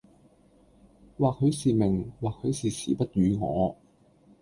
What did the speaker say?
或許是命、或許是時不與我。